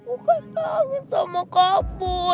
aku kan kangen sama kak boy